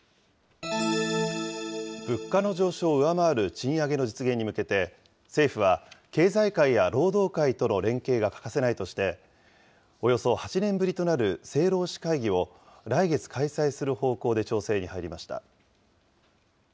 物価の上昇を上回る賃上げの実現に向けて、政府は、経済界や労働界との連携が欠かせないとして、およそ８年ぶりとなる政労使会議を、来月開催する方向で調整に入りました。